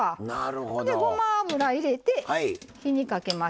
で、ごま油入れて火にかけます。